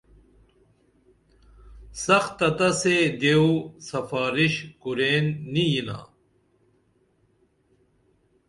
سختہ تہ سے دیو شفارس کُرین نی یِنا